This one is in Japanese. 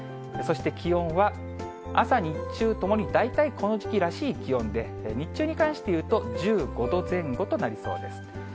そして、気温は朝、日中ともに、大体この時期らしい気温で、日中に関して言うと、１５度前後となりそうです。